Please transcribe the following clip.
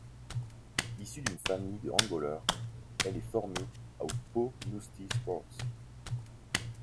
Issue d'une famille de handballeurs, elle est formée au Pau Nousty Sports.